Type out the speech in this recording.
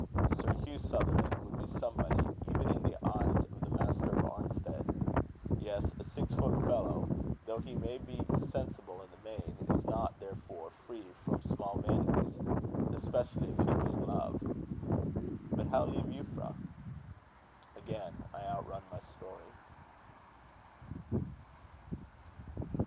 Sir Hugh Sutherland would be somebody even in the eyes of the master of Arnstead. Yes, a six foot fellow, though he may be sensible in the main, is not, therefore, free from small vanities, especially if he be in love. But how leave Euphra? Again I outrun my story.